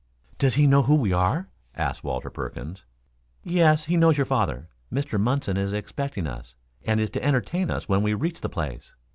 "Does he know who we are?" asked Walter Perkins. "Yes, he knows your father. Mr. Munson is expecting us, and is to entertain us when we reach the place."